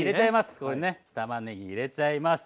ここにねたまねぎ入れちゃいます。